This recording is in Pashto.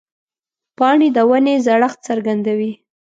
پاڼې د ونې زړښت څرګندوي.